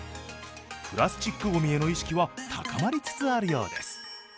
プラスチックごみへの意識は高まりつつあるようです。